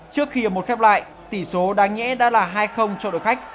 trước khi một khép lại tỷ số đáng nghĩa đã là hai cho đội khách